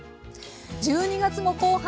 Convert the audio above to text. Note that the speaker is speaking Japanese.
１２月も後半。